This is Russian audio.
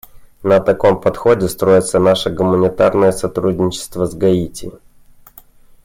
На таком подходе строится наше гуманитарное сотрудничество с Гаити.